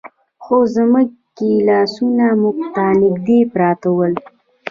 خو زموږ ګیلاسونه موږ ته نږدې پراته ول.